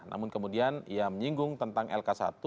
namun kemudian ia menyinggung tentang lk satu